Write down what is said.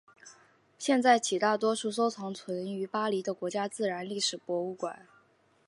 现在起大多数收藏存于巴黎的国家自然历史博物馆。